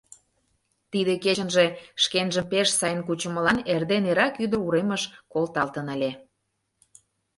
Тиде кечынже шкенжым пеш сайын кучымылан эрден эрак ӱдыр уремыш колталтын ыле.